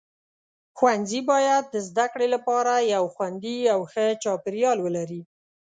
ښوونځي باید د زده کړې لپاره یو خوندي او ښه چاپیریال ولري.